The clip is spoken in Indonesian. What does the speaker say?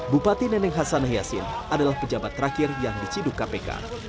bupati neneng hasan yassin adalah pejabat terakhir yang diciduk kpk